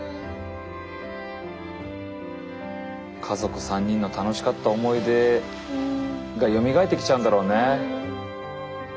家族３人の楽しかった思い出がよみがえってきちゃうんだろうね。